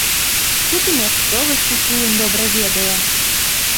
Тут і мясцовасць усю ён добра ведае.